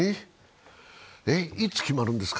いつ決まるんですか？